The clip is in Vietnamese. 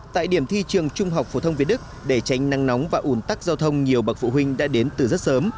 tại điểm thi trường trung học phổ thông việt đức để tránh nắng nóng và ủn tắc giao thông nhiều bậc phụ huynh đã đến từ rất sớm